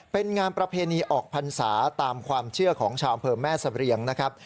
เป็นงานประเพณีออกพรรษาตามความเชื่อของชาวอำเภอแม่สะเรียงนะครับ